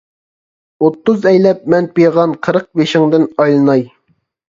ئوتتۇز ئەيلەپ مەن پىغان، قىرىق بېشىڭدىن ئايلىناي.